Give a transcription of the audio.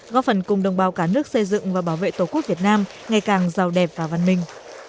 góp phần cùng đồng bào cả nước xây dựng và bảo vệ tổ quốc việt nam ngày càng giàu đẹp và văn minh